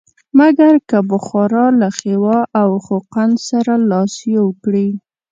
مګر که بخارا له خیوا او خوقند سره لاس یو کړي.